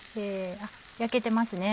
焼けてますね。